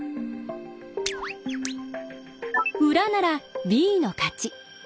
裏ならＢの勝ち。